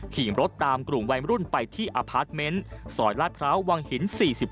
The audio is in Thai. ขี่รถตามกลุ่มวัยรุ่นไปที่อพาร์ทเมนต์ซอยลาดพร้าววังหิน๔๗